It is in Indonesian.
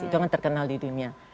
itu kan terkenal di dunia